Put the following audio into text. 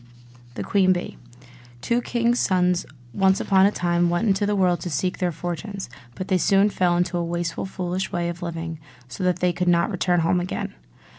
THE QUEEN BEE Two kings' sons once upon a time went into the world to seek their fortunes; but they soon fell into a wasteful foolish way of living, so that they could not return home again.